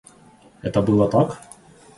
Это было так?